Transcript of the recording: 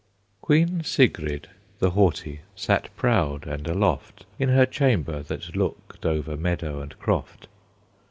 Queen Sigrid the Haughty sat proud and aloft In her chamber, that looked over meadow and croft.